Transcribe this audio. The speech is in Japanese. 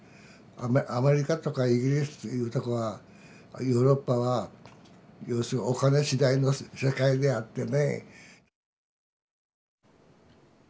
アメリカとかイギリスというとこはヨーロッパは要するにお金次第の世界であってね。